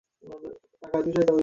মা তোমাকে দুপুরের খাবার দিয়েছে।